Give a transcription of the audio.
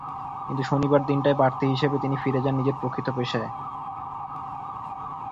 কিন্তু শনিবারের দিনটায় বাড়তি হিসেবে তিনি ফিরে যান নিজের প্রকৃত পেশায়।